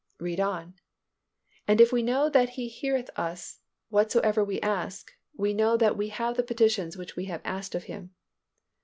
"Read on." "And if we know that if He heareth us whatsoever we ask, we know that we have the petitions which we have asked of Him."